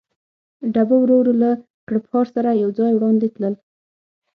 ډبه ورو ورو له کړپهار سره یو ځای وړاندې تلل.